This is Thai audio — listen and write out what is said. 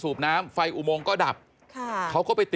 ทางนิติกรหมู่บ้านแจ้งกับสำนักงานเขตประเวท